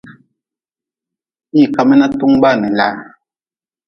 Hii ka mi na tungu baa ni laa.